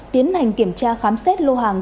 tiến hành kiểm tra khám xét lô hàng